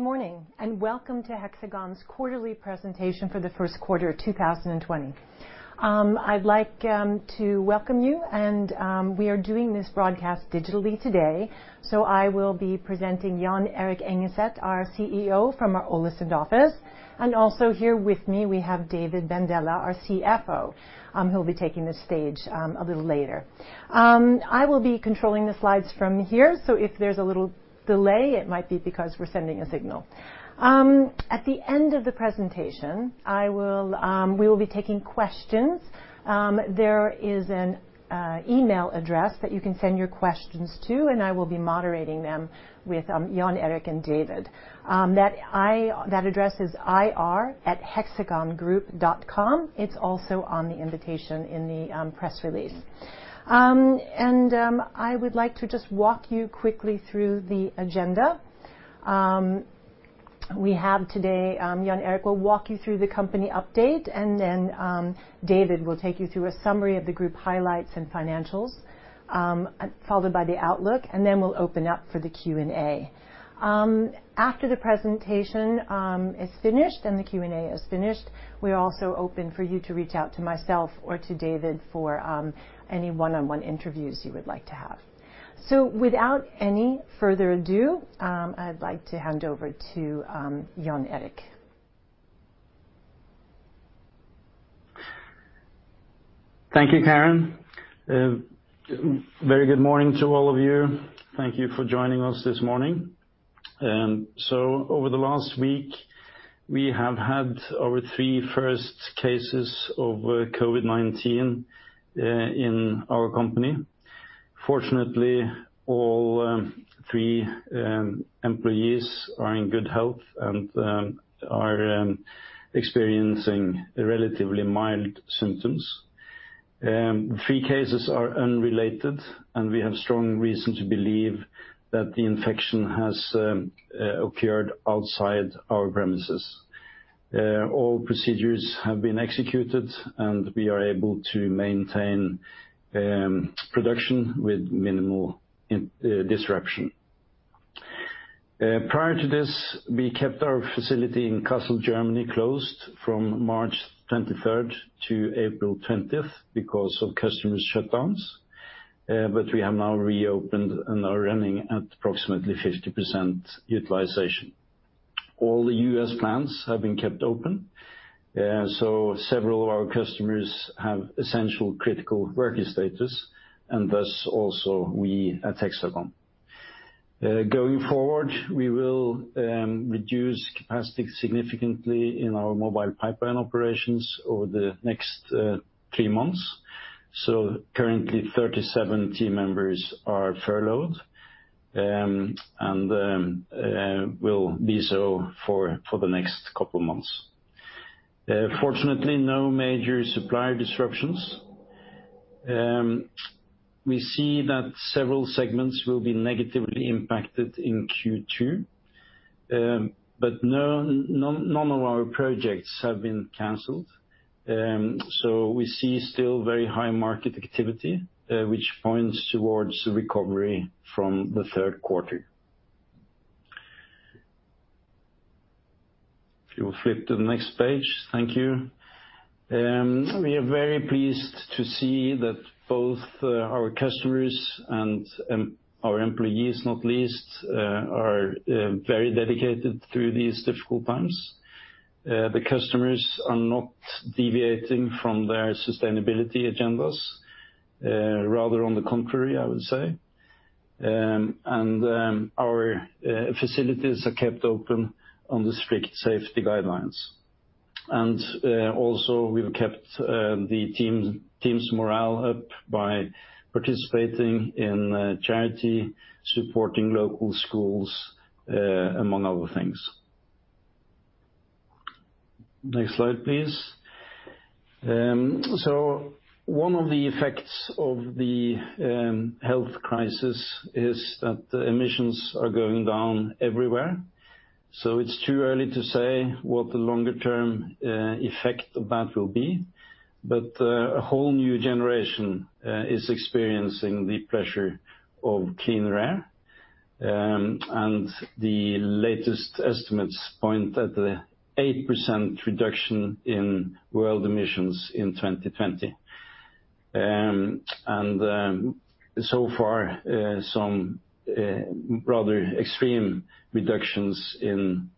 Good morning, welcome to Hexagon's quarterly presentation for the first quarter of 2020. I'd like to welcome you. We are doing this broadcast digitally today. I will be presenting Jon Erik Engeset, our CEO, from our Ålesund office. Also here with me, we have David Bandele, our CFO, who'll be taking the stage a little later. I will be controlling the slides from here. If there's a little delay, it might be because we're sending a signal. At the end of the presentation, we will be taking questions. There is an email address that you can send your questions to. I will be moderating them with Jon Erik and David. That address is ir@hexagongroup.com. It's also on the invitation in the press release. I would like to just walk you quickly through the agenda. We have today, Jon Erik will walk you through the company update, and then David will take you through a summary of the group highlights and financials, followed by the outlook, and then we'll open up for the Q&A. After the presentation is finished and the Q&A is finished, we are also open for you to reach out to myself or to David for any one-on-one interviews you would like to have. Without any further ado, I'd like to hand over to Jon Erik. Thank you, Karen. Very good morning to all of you. Thank you for joining us this morning. Over the last week, we have had our three first cases of COVID-19 in our company. Fortunately, all three employees are in good health and are experiencing relatively mild symptoms. Three cases are unrelated, and we have strong reason to believe that the infection has occurred outside our premises. All procedures have been executed, and we are able to maintain production with minimal disruption. Prior to this, we kept our facility in Kassel, Germany closed from March 23rd to April 20th because of customers' shutdowns. We have now reopened and are running at approximately 50% utilization. All the U.S. plants have been kept open. Several of our customers have essential critical worker status, and thus also we at Hexagon. Going forward, we will reduce capacity significantly in our Mobile Pipeline operations over the next three months. Currently, 37 team members are furloughed, and will be so for the next couple months. Fortunately, no major supplier disruptions. We see that several segments will be negatively impacted in Q2. None of our projects have been canceled. We see still very high market activity, which points towards a recovery from the third quarter. If you will flip to the next page. Thank you. We are very pleased to see that both our customers and our employees, not least, are very dedicated through these difficult times. The customers are not deviating from their sustainability agendas. Rather on the contrary, I would say. Our facilities are kept open on the strict safety guidelines. Also we've kept the team's morale up by participating in charity, supporting local schools, among other things. Next slide, please. One of the effects of the health crisis is that the emissions are going down everywhere. It's too early to say what the longer-term effect of that will be. A whole new generation is experiencing the pleasure of clean air. The latest estimates point at a 8% reduction in world emissions in 2020. So far, some rather extreme reductions in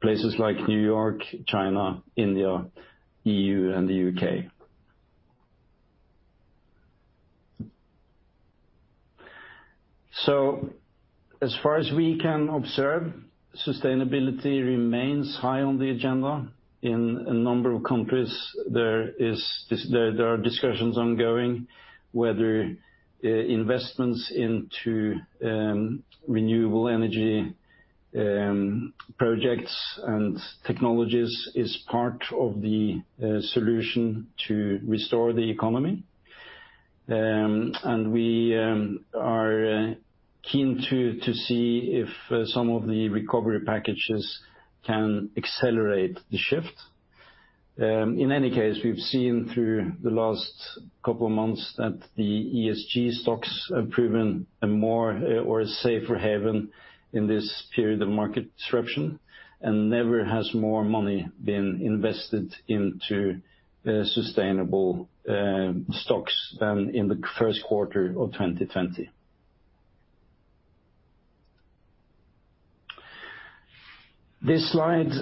places like New York, China, India, EU, and the U.K. As far as we can observe, sustainability remains high on the agenda. In a number of countries there are discussions ongoing whether investments into renewable energy projects and technologies is part of the solution to restore the economy. We are keen to see if some of the recovery packages can accelerate the shift. In any case, we've seen through the last couple of months that the ESG stocks have proven a more or a safer haven in this period of market disruption, never has more money been invested into sustainable stocks than in the first quarter of 2020. This slide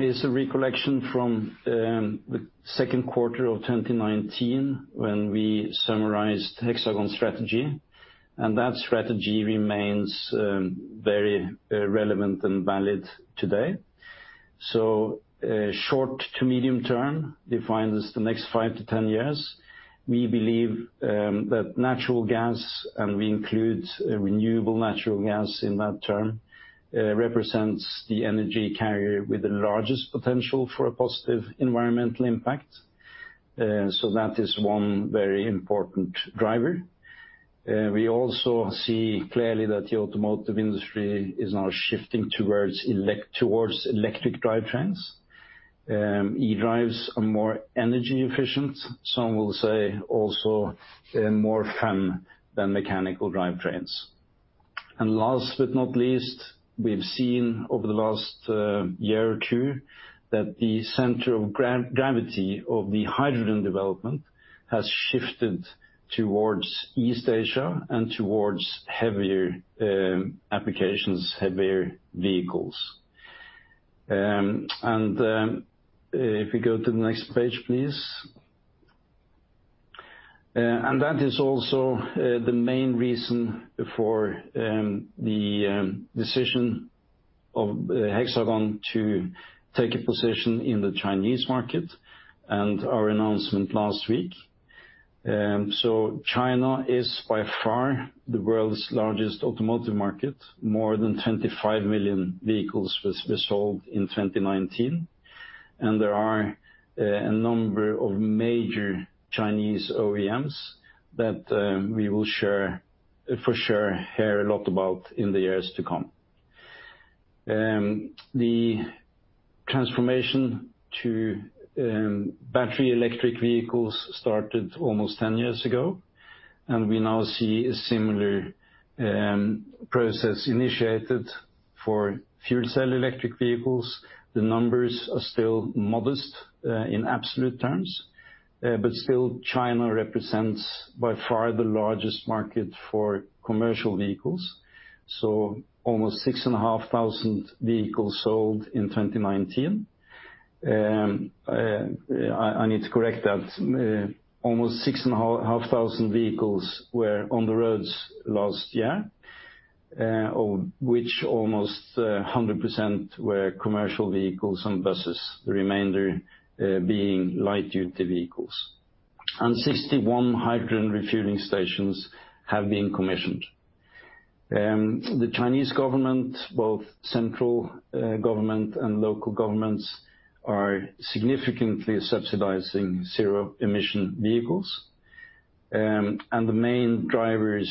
is a recollection from the second quarter of 2019 when we summarized Hexagon's strategy. That strategy remains very relevant and valid today. Short to medium term defines the next 5 to 10 years. We believe that natural gas, we include renewable natural gas in that term, represents the energy carrier with the largest potential for a positive environmental impact. That is one very important driver. We also see clearly that the automotive industry is now shifting towards electric drivetrains. e-drives are more energy efficient, some will say also more fun than mechanical drivetrains. Last but not least, we've seen over the last year or two that the center of gravity of the hydrogen development has shifted towards East Asia and towards heavier applications, heavier vehicles. If we go to the next page, please. That is also the main reason for the decision of Hexagon to take a position in the Chinese market and our announcement last week. China is by far the world's largest automotive market. More than 25 million vehicles was sold in 2019. There are a number of major Chinese OEMs that we will for sure hear a lot about in the years to come. The transformation to battery electric vehicles started almost 10 years ago, and we now see a similar process initiated for fuel cell electric vehicles. The numbers are still modest in absolute terms. China represents by far the largest market for commercial vehicles. Almost 6,500 vehicles sold in 2019. I need to correct that. Almost 6,500 vehicles were on the roads last year, of which almost 100% were commercial vehicles and buses, the remainder being light-duty vehicles. 61 hydrogen refueling stations have been commissioned. The Chinese government, both central government and local governments, are significantly subsidizing zero-emission vehicles. The main drivers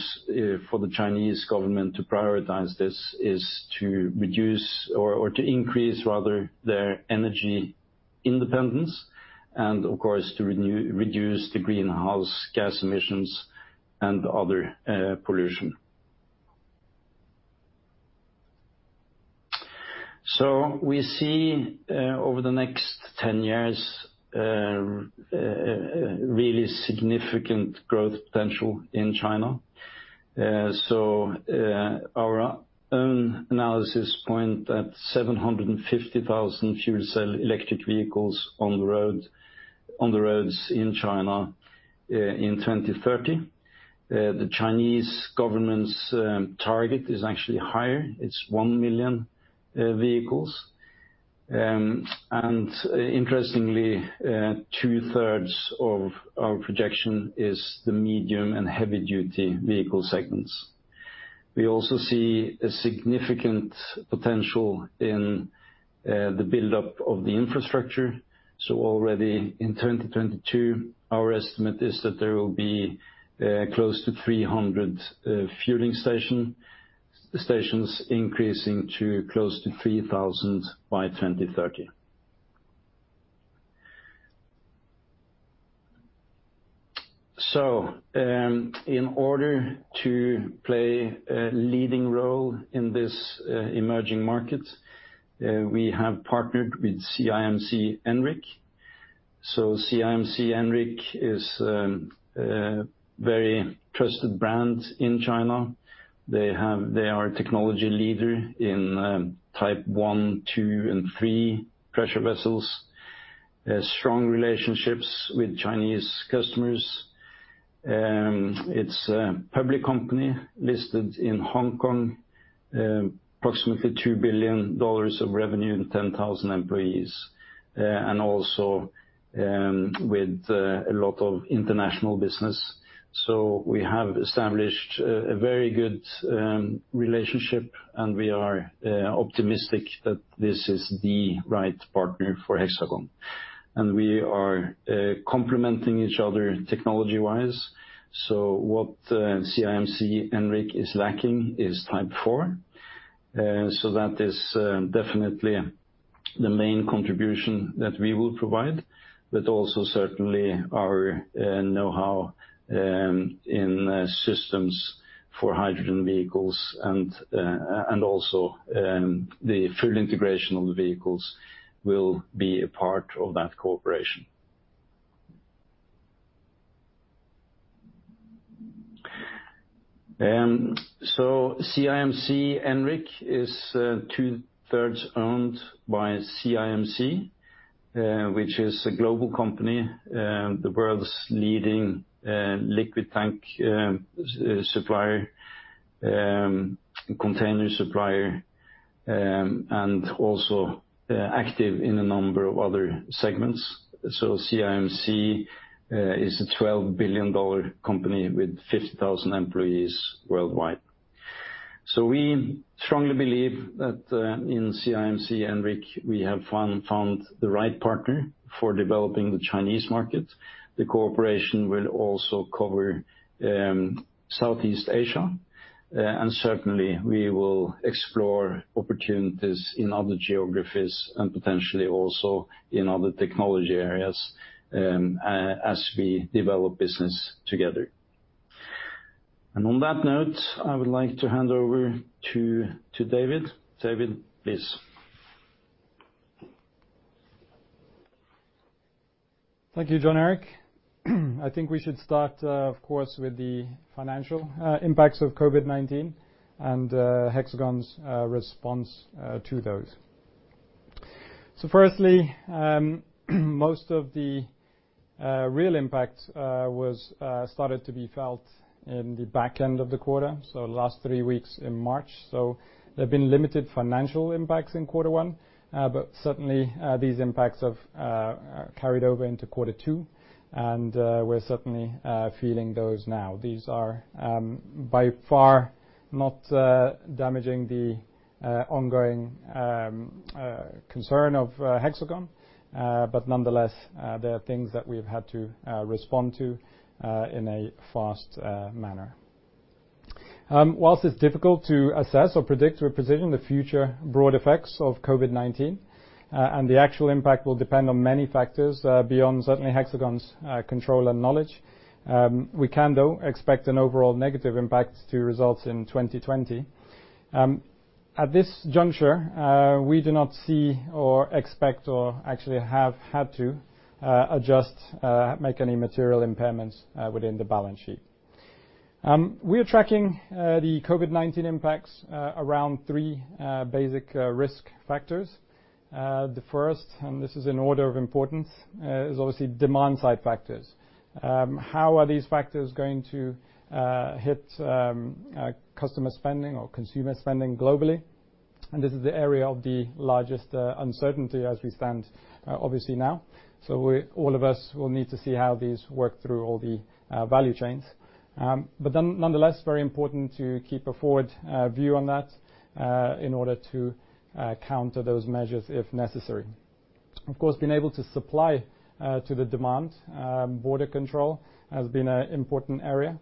for the Chinese government to prioritize this is to reduce or to increase rather their energy independence and, of course, to reduce the greenhouse gas emissions and other pollution. We see over the next 10 years, really significant growth potential in China. Our own analysis point at 750,000 fuel cell electric vehicles on the roads in China in 2030. The Chinese government's target is actually higher. It's 1 million vehicles. Interestingly, two-thirds of our projection is the medium and heavy-duty vehicle segments. We also see a significant potential in the buildup of the infrastructure. Already in 2022, our estimate is that there will be close to 300 fueling stations increasing to close to 3,000 by 2030. In order to play a leading role in this emerging market, we have partnered with CIMC Enric. CIMC Enric is a very trusted brand in China. They are a technology leader in Type I, II, and III pressure vessels. Strong relationships with Chinese customers. It's a public company listed in Hong Kong. Approximately NOK 2 billion of revenue and 10,000 employees, also with a lot of international business. We have established a very good relationship, and we are optimistic that this is the right partner for Hexagon. We are complementing each other technology-wise. What CIMC Enric is lacking is Type 4. That is definitely the main contribution that we will provide, but also certainly our know-how in systems for hydrogen vehicles and also the full integration of the vehicles will be a part of that cooperation. CIMC Enric is two-thirds owned by CIMC, which is a global company, the world's leading liquid tank supplier, container supplier, and also active in a number of other segments. CIMC is a NOK 12 billion company with 50,000 employees worldwide. We strongly believe that in CIMC Enric, we have found the right partner for developing the Chinese market. The cooperation will also cover Southeast Asia, and certainly, we will explore opportunities in other geographies and potentially also in other technology areas as we develop business together. On that note, I would like to hand over to David. David, please. Thank you, Jon Erik. I think we should start, of course, with the financial impacts of COVID-19 and Hexagon's response to those. Firstly, most of the real impact started to be felt in the back end of the quarter, so the last three weeks in March. So there have been limited financial impacts in quarter one. Certainly, these impacts have carried over into quarter two, and we're certainly feeling those now. These are by far not damaging the ongoing concern of Hexagon. Nonetheless, they are things that we've had to respond to in a fast manner. Whilst it's difficult to assess or predict with precision the future broad effects of COVID-19, and the actual impact will depend on many factors beyond certainly Hexagon's control and knowledge. We can, though, expect an overall negative impact to results in 2020. At this juncture, we do not see or expect or actually have had to adjust, make any material impairments within the balance sheet. We are tracking the COVID-19 impacts around three basic risk factors. The first, and this is in order of importance, is obviously demand-side factors. How are these factors going to hit customer spending or consumer spending globally? This is the area of the largest uncertainty as we stand obviously now. All of us will need to see how these work through all the value chains. Nonetheless, very important to keep a forward view on that in order to counter those measures if necessary. Of course, being able to supply to the demand, border control has been an important area.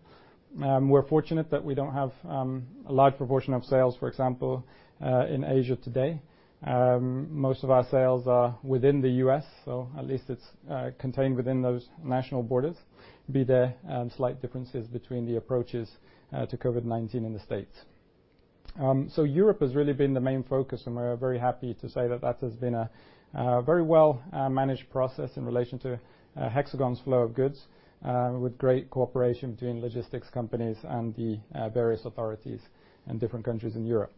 We're fortunate that we don't have a large proportion of sales, for example, in Asia today. Most of our sales are within the U.S., so at least it's contained within those national borders, be there slight differences between the approaches to COVID-19 in the States. Europe has really been the main focus, and we're very happy to say that has been a very well-managed process in relation to Hexagon's flow of goods, with great cooperation between logistics companies and the various authorities in different countries in Europe.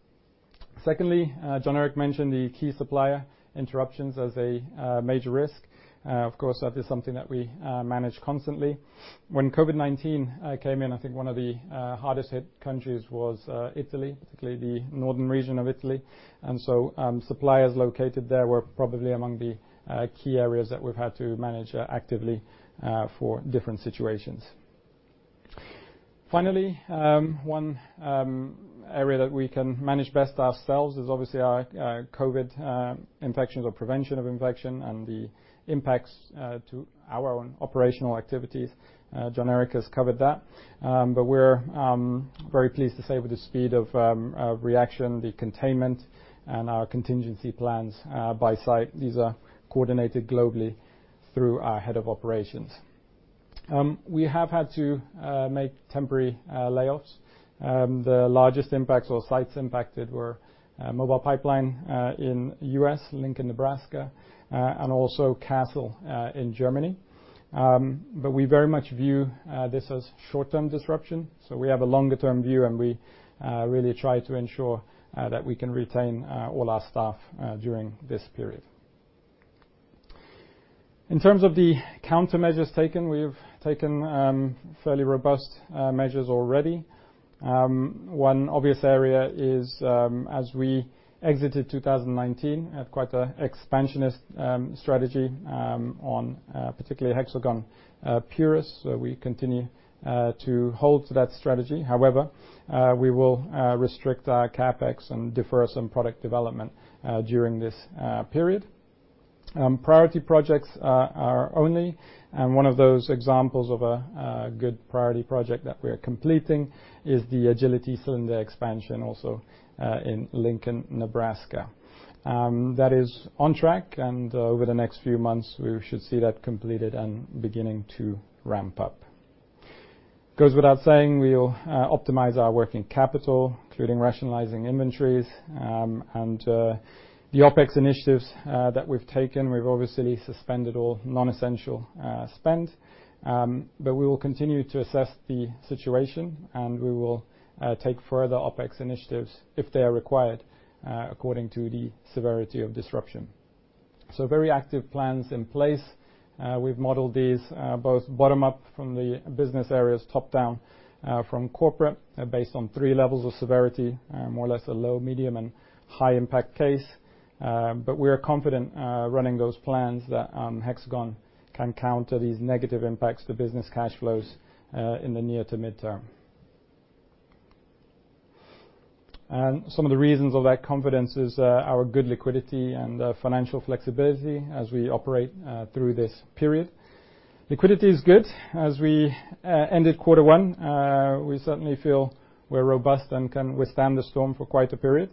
Secondly, Jon Erik mentioned the key supplier interruptions as a major risk. Of course, that is something that we manage constantly. When COVID-19 came in, I think one of the hardest hit countries was Italy, particularly the northern region of Italy. Suppliers located there were probably among the key areas that we've had to manage actively for different situations. Finally, one area that we can manage best ourselves is obviously our COVID-19 infections or prevention of infection and the impacts to our own operational activities. Jon Erik has covered that. We're very pleased to say with the speed of reaction, the containment and our contingency plans by site, these are coordinated globally through our head of operations. We have had to make temporary layoffs. The largest impacts or sites impacted were Mobile Pipeline in U.S., Lincoln, Nebraska, and also Kassel in Germany. We very much view this as short-term disruption, so we have a longer-term view, and we really try to ensure that we can retain all our staff during this period. In terms of the countermeasures taken, we've taken fairly robust measures already. One obvious area is as we exited 2019, quite an expansionist strategy on particularly Hexagon Purus. We continue to hold to that strategy. However, we will restrict our CapEx and defer some product development during this period. Priority projects are only, and one of those examples of a good priority project that we are completing is the Agility cylinder expansion also in Lincoln, Nebraska. That is on track, and over the next few months, we should see that completed and beginning to ramp up. It goes without saying we'll optimize our working capital, including rationalizing inventories and the OPEX initiatives that we've taken. We've obviously suspended all non-essential spend, but we will continue to assess the situation, and we will take further OPEX initiatives if they are required according to the severity of disruption. Very active plans in place. We've modeled these both bottom up from the business areas, top-down from corporate, based on three levels of severity, more or less a low, medium, and high impact case. We are confident running those plans that Hexagon can counter these negative impacts to business cash flows in the near to midterm. Some of the reasons of that confidence is our good liquidity and financial flexibility as we operate through this period. Liquidity is good. As we ended quarter one, we certainly feel we're robust and can withstand the storm for quite a period.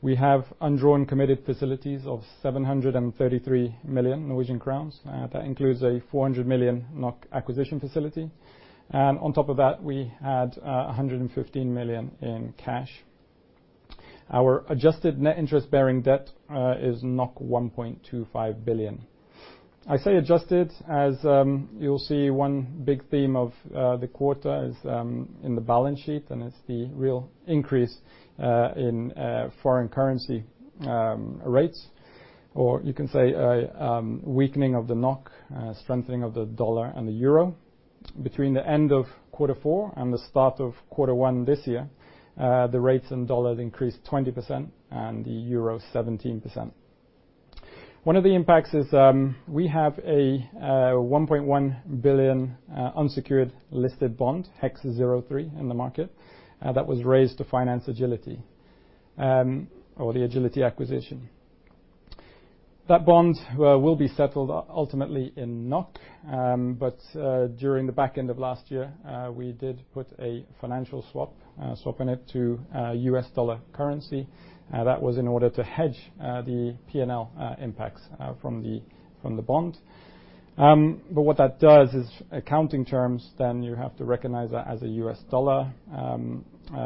We have undrawn committed facilities of 733 million Norwegian crowns. That includes a 400 million NOK acquisition facility. On top of that, we had 115 million in cash. Our adjusted net interest-bearing debt is 1.25 billion. I say adjusted as you'll see one big theme of the quarter is in the balance sheet, and it's the real increase in foreign currency rates, or you can say a weakening of the NOK, strengthening of the dollar and the euro. Between the end of quarter four and the start of quarter one this year, the rates in USD increased 20% and the EUR 17%. One of the impacts is we have a 1.1 billion unsecured listed bond, HEX03, in the market, that was raised to finance Agility or the Agility acquisition. That bond will be settled ultimately in NOK but during the back end of last year, we did put a financial swap on it to US dollar currency. That was in order to hedge the P&L impacts from the bond. What that does in accounting terms, then you have to recognize that as a US dollar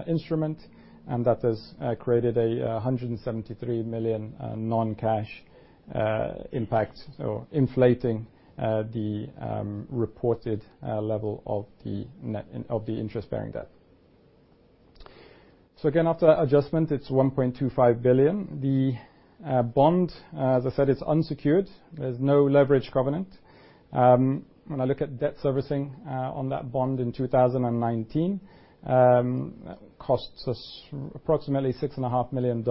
instrument, and that has created a 173 million non-cash impact, so inflating the reported level of the interest-bearing debt. Again, after adjustment, it's 1.25 billion. The bond, as I said, is unsecured. There's no leverage covenant. When I look at debt servicing on that bond in 2019, costs us approximately $6.5 million.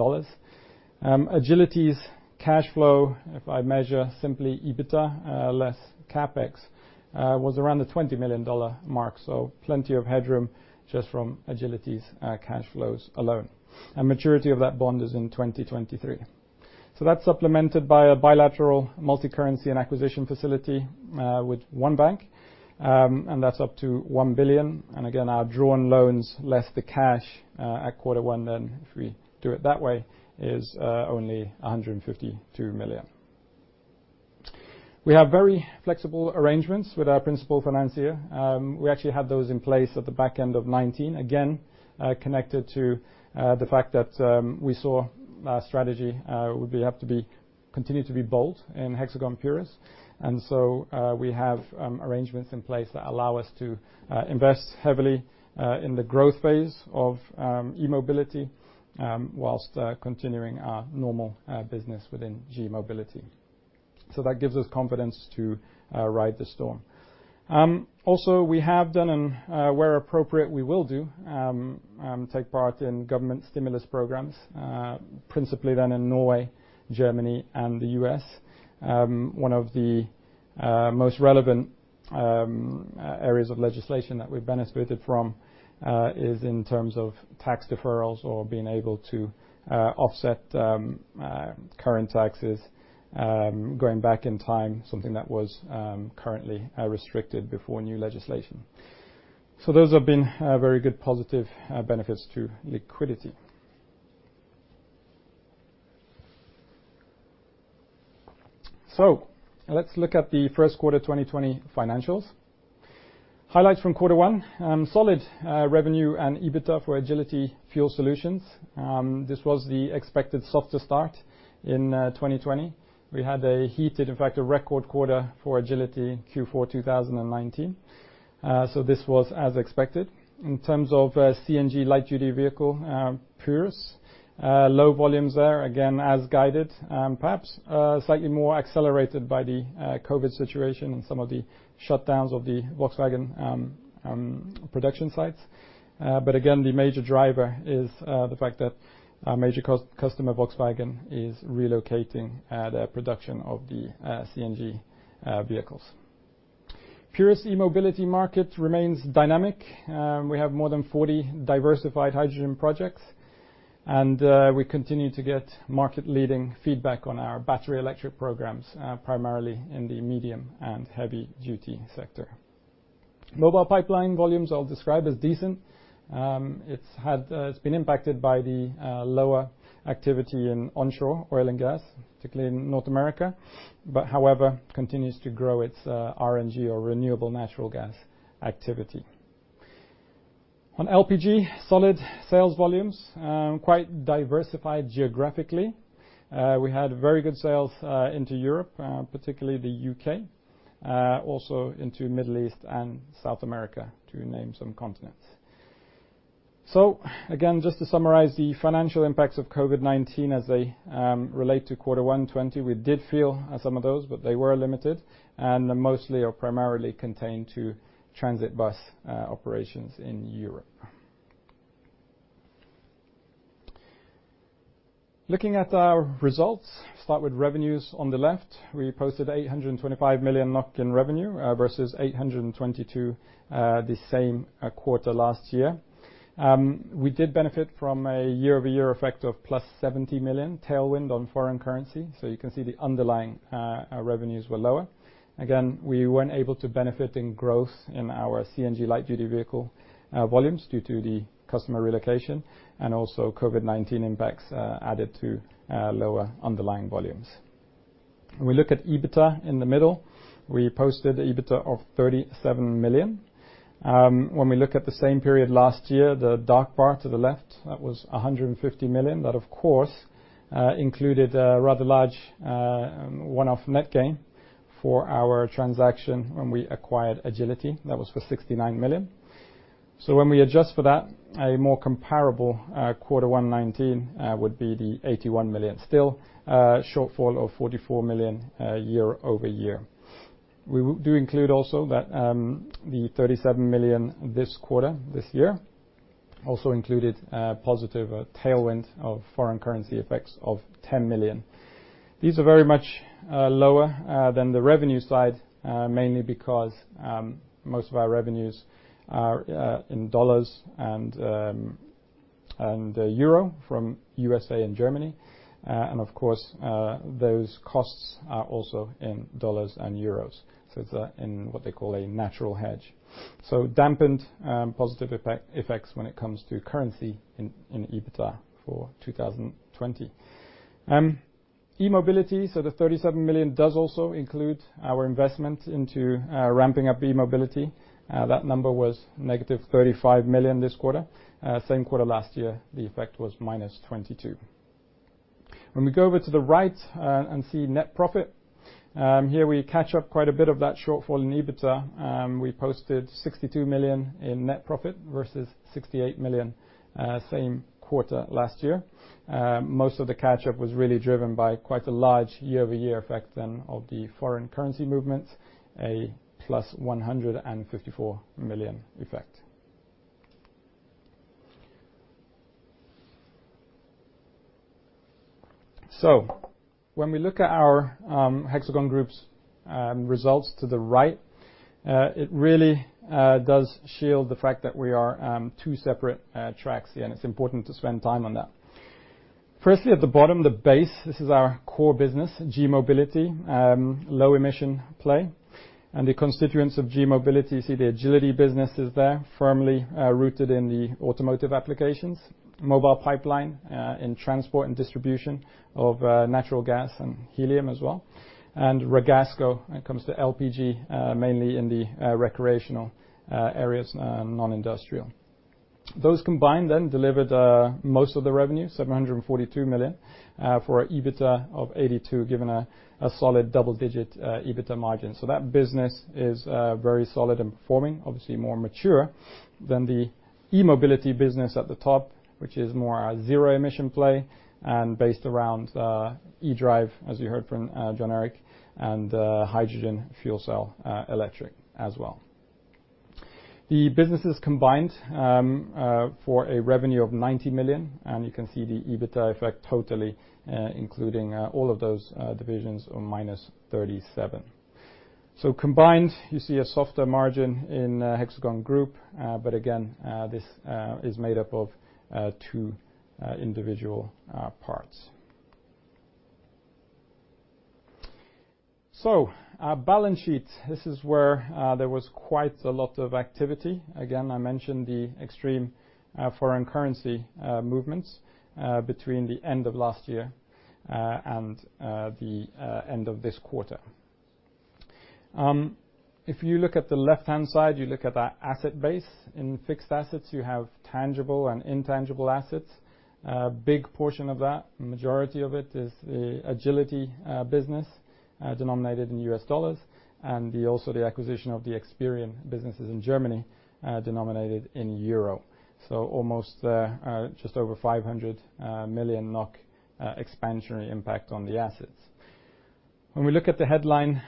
Agility's cash flow, if I measure simply EBITDA less CapEx, was around the $20 million mark, so plenty of headroom just from Agility's cash flows alone. A maturity of that bond is in 2023. That's supplemented by a bilateral multi-currency and acquisition facility with one bank, and that's up to 1 billion. Again, our drawn loans less the cash at quarter one then, if we do it that way, is only 152 million. We have very flexible arrangements with our principal financier. We actually had those in place at the back end of 2019, again, connected to the fact that we saw our strategy would have to continue to be bold in Hexagon Purus. We have arrangements in place that allow us to invest heavily in the growth phase of e-mobility whilst continuing our normal business within g-mobility. We have done, and where appropriate we will do, take part in government stimulus programs, principally then in Norway, Germany, and the U.S. One of the most relevant areas of legislation that we've benefited from is in terms of tax deferrals or being able to offset current taxes, going back in time, something that was currently restricted before new legislation. Those have been very good positive benefits to liquidity. Let's look at the first quarter 2020 financials. Highlights from quarter 1. Solid revenue and EBITDA for Agility Fuel Solutions. This was the expected softer start in 2020. We had a heated, in fact, a record quarter for Agility Q4 2019. This was as expected. In terms of CNG light-duty vehicle, Purus, low volumes there, again, as guided, perhaps slightly more accelerated by the COVID-19 situation and some of the shutdowns of the Volkswagen production sites. Again, the major driver is the fact that our major customer, Volkswagen, is relocating their production of the CNG vehicles. Purus's e-mobility market remains dynamic. We have more than 40 diversified hydrogen projects, and we continue to get market-leading feedback on our battery electric programs, primarily in the medium and heavy-duty sector. Mobile Pipeline volumes I'll describe as decent. It's been impacted by the lower activity in onshore oil and gas, particularly in North America, however, continues to grow its RNG or renewable natural gas activity. On LPG, solid sales volumes, quite diversified geographically. We had very good sales into Europe, particularly the U.K., also into Middle East and South America, to name some continents. Again, just to summarize the financial impacts of COVID-19 as they relate to quarter one 2020, we did feel some of those, but they were limited and mostly are primarily contained to transit bus operations in Europe. Looking at our results, start with revenues on the left. We posted 825 million NOK in revenue versus 822 million the same quarter last year. We did benefit from a year-over-year effect of +70 million tailwind on foreign currency, you can see the underlying revenues were lower. Again, we weren't able to benefit in growth in our CNG light-duty vehicle volumes due to the customer relocation, also COVID-19 impacts added to lower underlying volumes. When we look at EBITDA in the middle, we posted EBITDA of 37 million. When we look at the same period last year, the dark bar to the left, that was 150 million. That, of course, included a rather large one-off net gain for our transaction when we acquired Agility. That was for 69 million. When we adjust for that, a more comparable Q1 2019 would be the 81 million. Still, a shortfall of 44 million year-over-year. We do include also that the 37 million this quarter this year also included a positive tailwind of foreign currency effects of 10 million. These are very much lower than the revenue side, mainly because most of our revenues are in USD and EUR from U.S.A. and Germany. Of course, those costs are also in USD and EUR. It's in what they call a natural hedge. Dampened positive effects when it comes to currency in EBITDA for 2020. E-mobility, the 37 million does also include our investment into ramping up e-mobility. That number was negative 35 million this quarter. Same quarter last year, the effect was minus 22. We go over to the right and see net profit. Here we catch up quite a bit of that shortfall in EBITDA. We posted 62 million in net profit versus 68 million same quarter last year. Most of the catch-up was really driven by quite a large year-over-year effect then of the foreign currency movement, a plus 154 million effect. When we look at our Hexagon Group's results to the right it really does shield the fact that we are two separate tracks here, and it's important to spend time on that. Firstly, at the bottom, the base, this is our core business, g-mobility, low emission play, and the constituents of g-mobility. The Agility business is there firmly rooted in the automotive applications, Mobile Pipeline in transport and distribution of natural gas and helium as well, and Ragasco, when it comes to LPG, mainly in the recreational areas, non-industrial. Those combined delivered most of the revenue, 742 million, for EBITDA of 82, given a solid double-digit EBITDA margin. That business is very solid in performing, obviously more mature than the e-mobility business at the top, which is more a zero-emission play and based around e-drive, as you heard from Jon Erik, and hydrogen fuel cell electric as well. The businesses combined for a revenue of 90 million, and you can see the EBITDA effect totally including all of those divisions of minus 37. Combined, you see a softer margin in Hexagon Group, again, this is made up of two individual parts. Our balance sheet, this is where there was quite a lot of activity. Again, I mentioned the extreme foreign currency movements between the end of last year and the end of this quarter. If you look at the left-hand side, you look at that asset base. In fixed assets, you have tangible and intangible assets. A big portion of that, majority of it is the Agility business denominated in $, and also the acquisition of the xperion businesses in Germany denominated in EUR. Almost just over 500 million NOK expansionary impact on the assets. When we look at the headline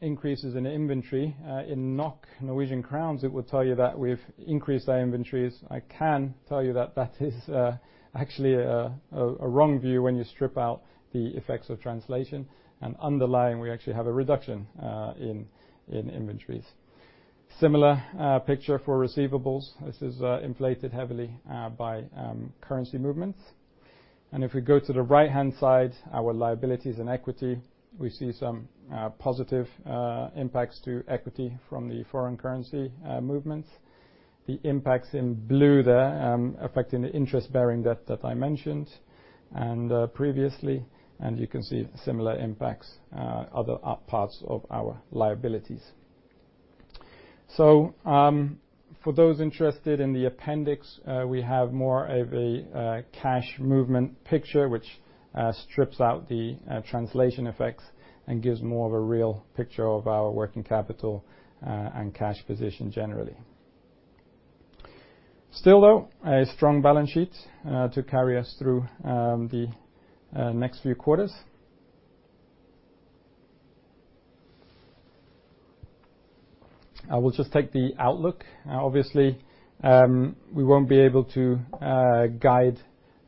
increases in inventory in NOK, Norwegian crowns, it would tell you that we've increased our inventories. I can tell you that that is actually a wrong view when you strip out the effects of translation, and underlying, we actually have a reduction in inventories. Similar picture for receivables. This is inflated heavily by currency movements. If we go to the right-hand side, our liabilities and equity, we see some positive impacts to equity from the foreign currency movements. The impacts in blue there affecting the interest-bearing debt that I mentioned previously, and you can see similar impacts other parts of our liabilities. For those interested in the appendix, we have more of a cash movement picture, which strips out the translation effects and gives more of a real picture of our working capital and cash position generally. Still, though, a strong balance sheet to carry us through the next few quarters. I will just take the outlook. Obviously, we won't be able to guide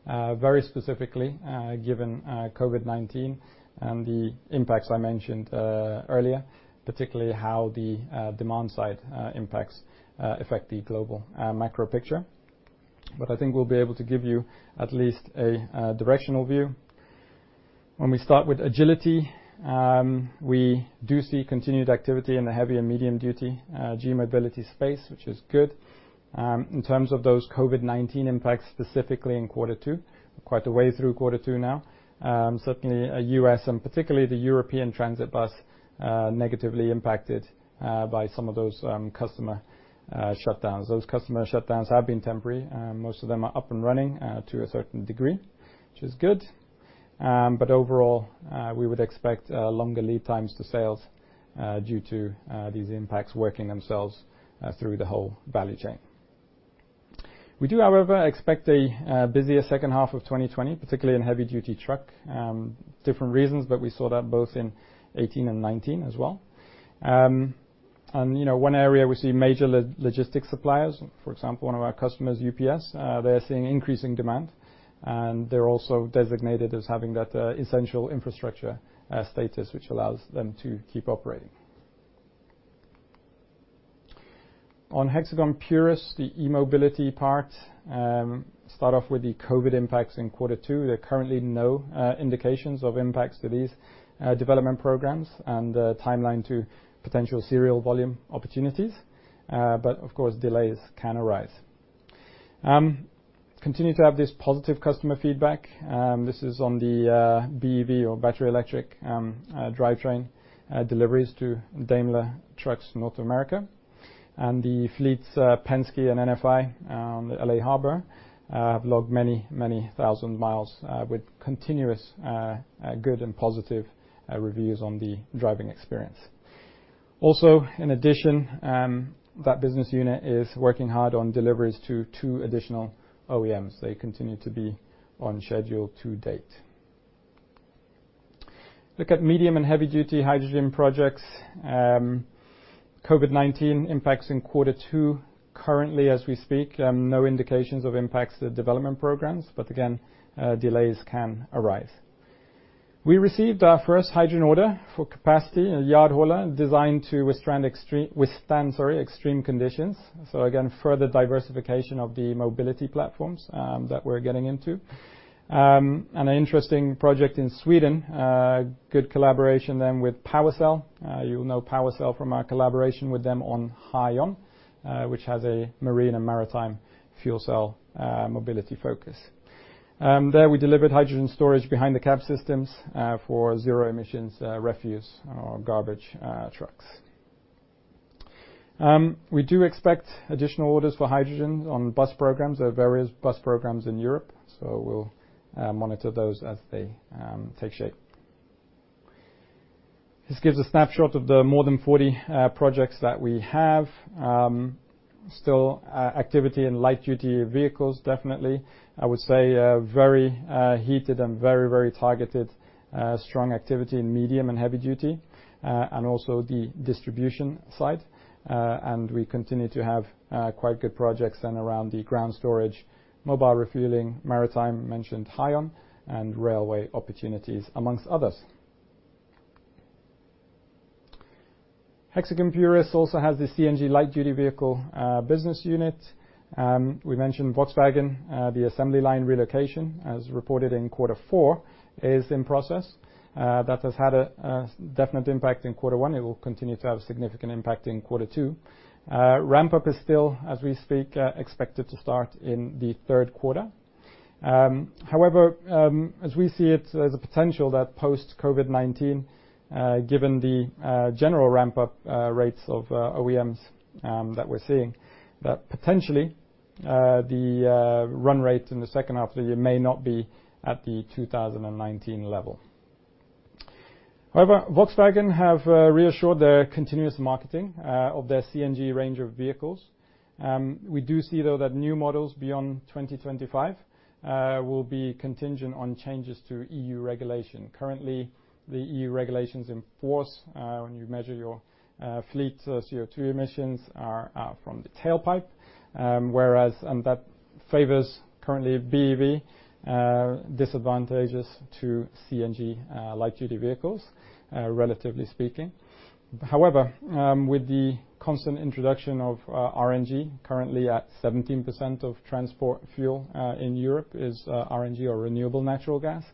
very specifically given COVID-19 and the impacts I mentioned earlier, particularly how the demand-side impacts affect the global macro picture. I think we'll be able to give you at least a directional view. When we start with Agility, we do see continued activity in the heavy and medium duty g-mobility space, which is good. In terms of those COVID-19 impacts, specifically in quarter two, we're quite a way through quarter two now. Certainly, U.S. and particularly the European transit bus negatively impacted by some of those customer shutdowns. Those customer shutdowns have been temporary. Most of them are up and running to a certain degree, which is good. Overall, we would expect longer lead times to sales due to these impacts working themselves through the whole value chain. We do, however, expect a busier second half of 2020, particularly in heavy-duty truck. Different reasons, but we saw that both in 2018 and 2019 as well. One area we see major logistics suppliers, for example, one of our customers, UPS, they're seeing increasing demand, and they're also designated as having that essential infrastructure status, which allows them to keep operating. On Hexagon Purus, the e-mobility part. Start off with the COVID impacts in quarter two. There are currently no indications of impacts to these development programs and the timeline to potential serial volume opportunities. Of course, delays can arise. Continue to have this positive customer feedback. This is on the BEV or battery electric drivetrain deliveries to Daimler Truck North America. The fleets, Penske and NFI on the L.A. Harbor, have logged many, many thousand miles with continuous good and positive reviews on the driving experience. Also, in addition, that business unit is working hard on deliveries to two additional OEMs. They continue to be on schedule to date. Look at medium and heavy duty hydrogen projects. COVID-19 impacts in quarter two. Currently, as we speak, no indications of impacts to the development programs, again, delays can arise. We received our first hydrogen order for capacity in [Vardøla], designed to withstand extreme conditions. Again, further diversification of the mobility platforms that we're getting into. An interesting project in Sweden, good collaboration with PowerCell. You'll know PowerCell from our collaboration with them on Hyon, which has a marine and maritime fuel cell mobility focus. There we delivered hydrogen storage behind the cab systems for zero emissions refuse garbage trucks. We do expect additional orders for hydrogen on bus programs. There are various bus programs in Europe, we'll monitor those as they take shape. This gives a snapshot of the more than 40 projects that we have. Still activity in light-duty vehicles, definitely. I would say a very heated and very targeted, strong activity in medium and heavy duty, and also the distribution side. We continue to have quite good projects then around the ground storage, mobile refueling, maritime, mentioned Hyon, and railway opportunities, amongst others. Hexagon Purus also has the CNG light-duty vehicle business unit. We mentioned Volkswagen, the assembly line relocation, as reported in quarter four, is in process. That has had a definite impact in quarter one. It will continue to have significant impact in quarter two. Ramp-up is still, as we speak, expected to start in the third quarter. However, as we see it, there's a potential that post-COVID-19, given the general ramp-up rates of OEMs that we're seeing, that potentially the run rate in the second half of the year may not be at the 2019 level. However, Volkswagen have reassured their continuous marketing of their CNG range of vehicles. We do see, though, that new models beyond 2025 will be contingent on changes to EU regulation. Currently, the EU regulations in force when you measure your fleet CO2 emissions are from the tailpipe, whereas that favors currently BEV, disadvantages to CNG light duty vehicles. Relatively speaking. However, with the constant introduction of RNG, currently at 17% of transport fuel in Europe is RNG or renewable natural gas.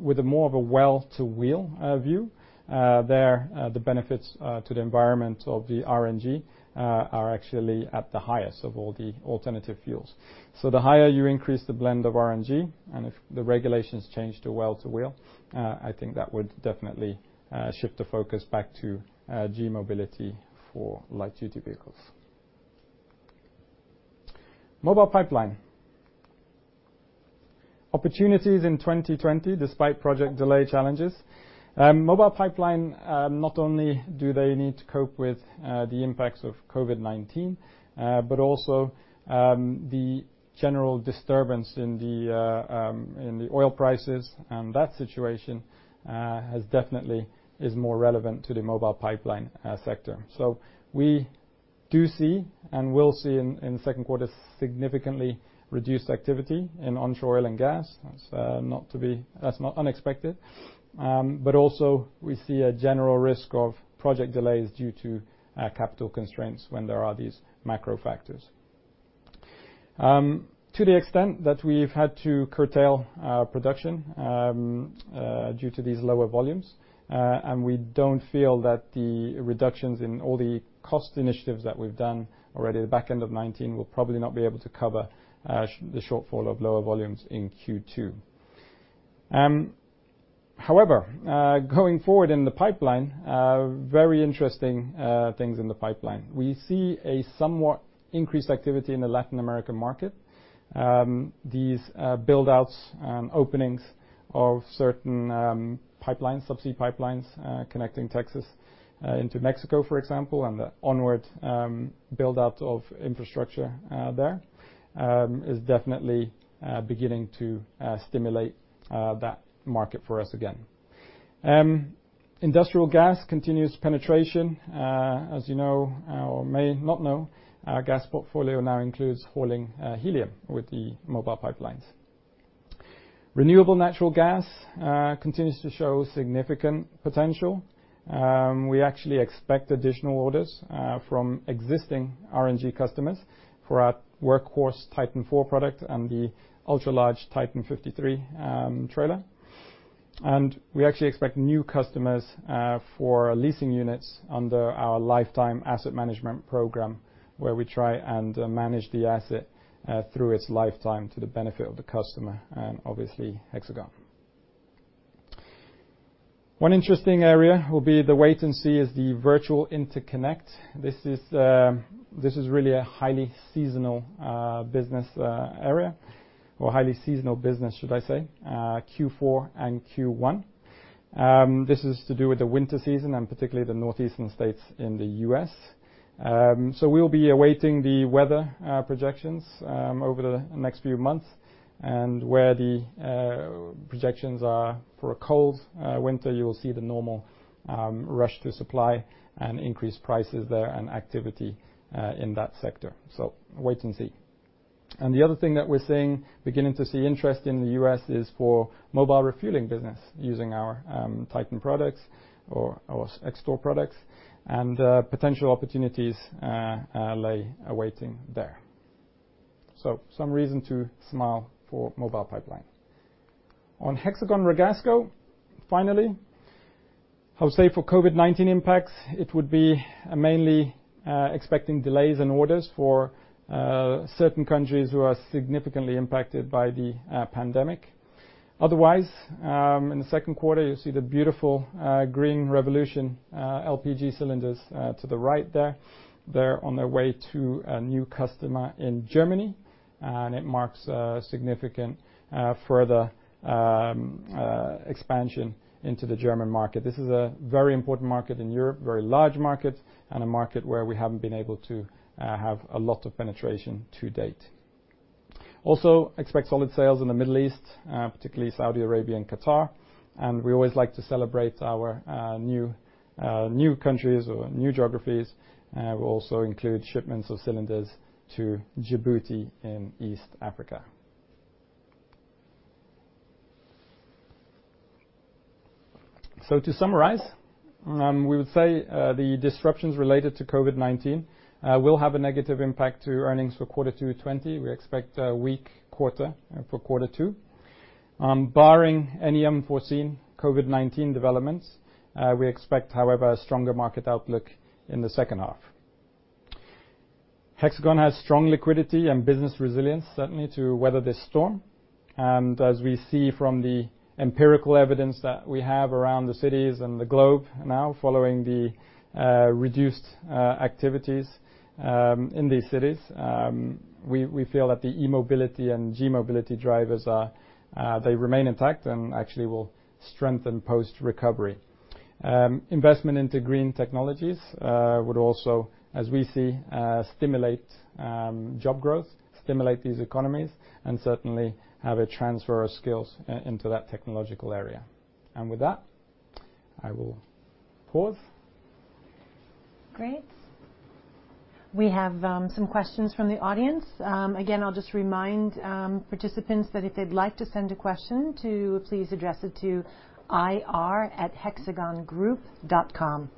With more of a well-to-wheel view, there the benefits to the environment of the RNG are actually at the highest of all the alternative fuels. The higher you increase the blend of RNG, and if the regulations change to well-to-wheel, I think that would definitely shift the focus back to g-mobility for light duty vehicles. Mobile Pipeline. Opportunities in 2020, despite project delay challenges. Mobile Pipeline, not only do they need to cope with the impacts of COVID-19, but also the general disturbance in the oil prices and that situation definitely is more relevant to the Mobile Pipeline sector. We do see and will see in the second quarter significantly reduced activity in onshore oil and gas. That's not unexpected. Also we see a general risk of project delays due to capital constraints when there are these macro factors. To the extent that we've had to curtail production due to these lower volumes. We don't feel that the reductions in all the cost initiatives that we've done already at the back end of '19 will probably not be able to cover the shortfall of lower volumes in Q2. However, going forward in the pipeline, very interesting things in the pipeline. We see a somewhat increased activity in the Latin American market. These build-outs and openings of certain subsea pipelines connecting Texas into Mexico, for example, and the onward build-out of infrastructure there is definitely beginning to stimulate that market for us again. Industrial gas continuous penetration. As you know or may not know, our gas portfolio now includes hauling helium with the Mobile Pipelines. Renewable natural gas continues to show significant potential. We actually expect additional orders from existing RNG customers for our workhorse TITAN IV product and the ultra-large TITAN 53 trailer. We actually expect new customers for leasing units under our Lifetime Asset Management Program, where we try and manage the asset through its lifetime to the benefit of the customer, and obviously Hexagon. One interesting area will be the wait and see is the virtual interconnect. This is really a highly seasonal business area, or highly seasonal business, should I say. Q4 and Q1. This is to do with the winter season, and particularly the Northeastern states in the U.S. We'll be awaiting the weather projections over the next few months, and where the projections are for a cold winter, you will see the normal rush to supply and increased prices there and activity in that sector. Wait and see. The other thing that we're beginning to see interest in the U.S. is for mobile refueling business using our TITAN products or our X-STORE products. Potential opportunities lay waiting there. Some reason to smile for Mobile Pipeline. Hexagon Ragasco, finally, I'll say for COVID-19 impacts, it would be mainly expecting delays in orders for certain countries who are significantly impacted by the pandemic. Otherwise, in the second quarter, you'll see the beautiful green revolution LPG cylinders to the right there. They're on their way to a new customer in Germany. It marks a significant further expansion into the German market. This is a very important market in Europe, very large market, and a market where we haven't been able to have a lot of penetration to date. Also expect solid sales in the Middle East, particularly Saudi Arabia and Qatar. We always like to celebrate our new countries or new geographies. We also include shipments of cylinders to Djibouti in East Africa. To summarize, we would say the disruptions related to COVID-19 will have a negative impact to earnings for quarter 2020. We expect a weak quarter for quarter two. Barring any unforeseen COVID-19 developments, we expect, however, a stronger market outlook in the second half. Hexagon has strong liquidity and business resilience, certainly, to weather this storm. As we see from the empirical evidence that we have around the cities and the globe now following the reduced activities in these cities, we feel that the e-mobility and g-mobility drivers remain intact and actually will strengthen post-recovery. Investment into green technologies would also, as we see, stimulate job growth, stimulate these economies, and certainly have a transfer of skills into that technological area. With that, I will pause. Great. We have some questions from the audience. Again, I'll just remind participants that if they'd like to send a question to please address it to ir@hexagongroup.com.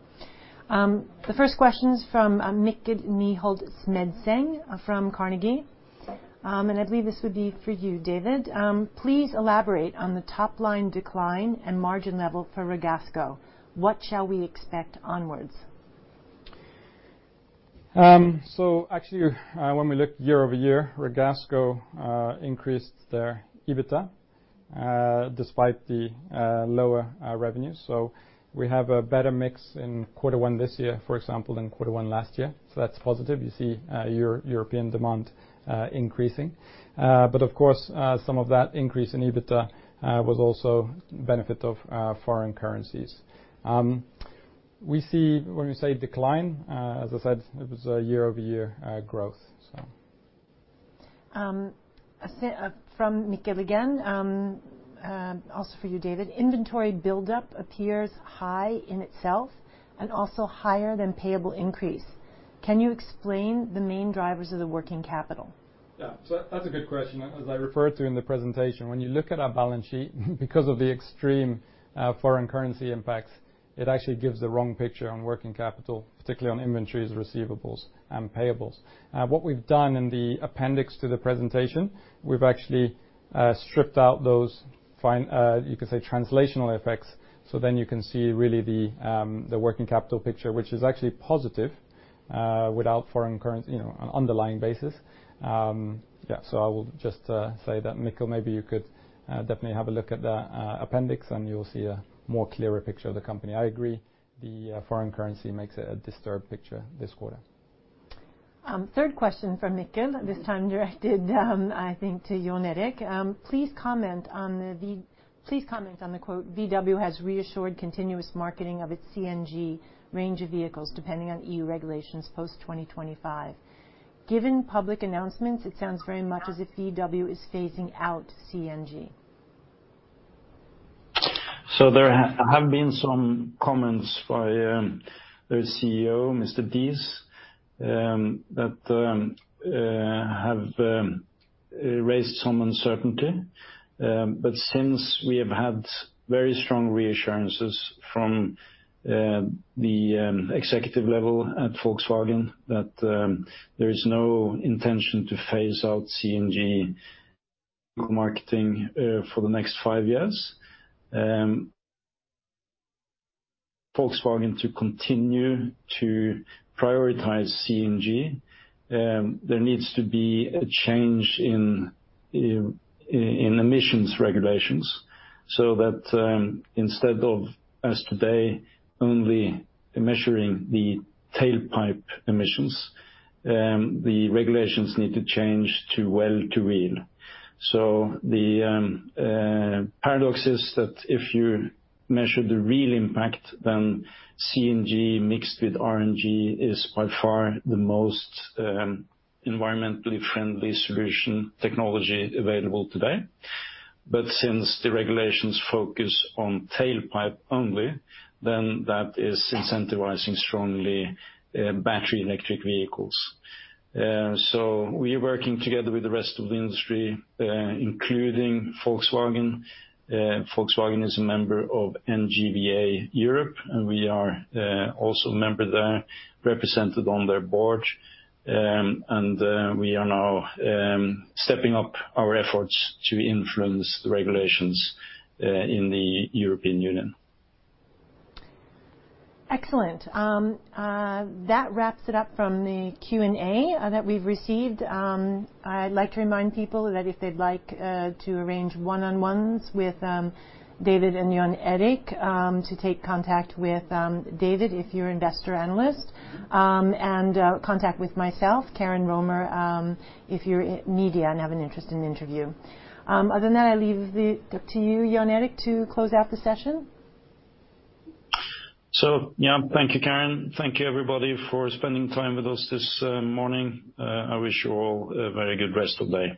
The first question is from Mikkel Nyholt Smedsrud from Carnegie. And I believe this would be for you, David. Please elaborate on the top-line decline and margin level for Ragasco. What shall we expect onwards? Actually, when we look year-over-year, Ragasco increased their EBITDA despite the lower revenues. We have a better mix in quarter one this year, for example, than quarter one last year. That's positive. You see European demand increasing. Of course, some of that increase in EBITDA was also benefit of foreign currencies. When we say decline, as I said, it was a year-over-year growth. From Mikkel again, also for you, David. Inventory buildup appears high in itself and also higher than payable increase. Can you explain the main drivers of the working capital? Yeah. That's a good question. As I referred to in the presentation, when you look at our balance sheet, because of the extreme foreign currency impacts, it actually gives the wrong picture on working capital, particularly on inventories, receivables, and payables. What we've done in the appendix to the presentation, we've actually stripped out those, you could say translational effects. Then you can see really the working capital picture, which is actually positive, without foreign currency on underlying basis. Yeah, I will just say that Mikkel, maybe you could definitely have a look at the appendix and you'll see a more clearer picture of the company. I agree, the foreign currency makes a disturbed picture this quarter. Third question from Mikkel, this time directed I think to Jon Erik. Please comment on the quote, "VW has reassured continuous marketing of its CNG range of vehicles depending on EU regulations post 2025." Given public announcements, it sounds very much as if VW is phasing out CNG. There have been some comments by their CEO, Mr. Diess, that have raised some uncertainty. Since we have had very strong reassurances from the executive level at Volkswagen that there is no intention to phase out CNG marketing for the next five years. Volkswagen to continue to prioritize CNG, there needs to be a change in emissions regulations, so that instead of as today, only measuring the tailpipe emissions. The regulations need to change to well-to-wheel. The paradox is that if you measure the real impact, then CNG mixed with RNG is by far the most environmentally friendly solution technology available today. Since the regulations focus on tailpipe only, then that is incentivizing strongly battery electric vehicles. We are working together with the rest of the industry, including Volkswagen. Volkswagen is a member of NGVA Europe, we are also a member there, represented on their board. We are now stepping up our efforts to influence the regulations in the European Union. Excellent. That wraps it up from the Q&A that we've received. I'd like to remind people that if they'd like to arrange one-on-ones with David and Jon Erik, to take contact with David if you're investor analyst. Contact with myself, Karen Romer, if you're media and have an interest in an interview. Other than that, I leave it up to you, Jon Erik, to close out the session. Yeah, thank you, Karen. Thank you everybody for spending time with us this morning. I wish you all a very good rest of the day.